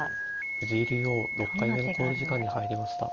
藤井竜王６回目の考慮時間に入りました。